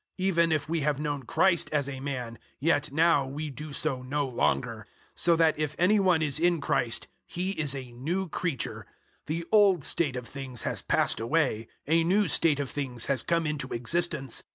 Even if we have known Christ as a man, yet now we do so no longer. 005:017 So that if any one is in Christ, he is a new creature: the old state of things has passed away; a new state of things has come into existence.